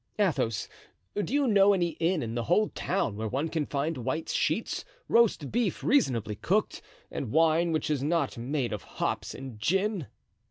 Athos, do you know any inn in the whole town where one can find white sheets, roast beef reasonably cooked, and wine which is not made of hops and gin?"